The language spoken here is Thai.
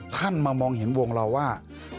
ท่านมามองเห็นวงเราว่า